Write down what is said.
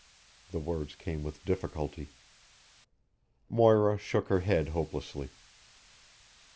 The words came with difficulty. Moira shook her head hopelessly.